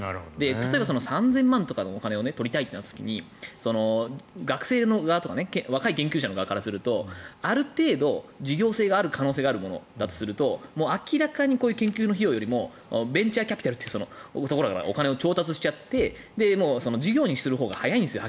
例えば、３０００万とかのお金を取りたいってなった時に学生側とか若い研究者の側からするとある程度、事業性がある可能性があるものだとすると明らかにこういう研究よりもベンチャーキャピタルというところからお金を調達して事業にするほうが早いんですよ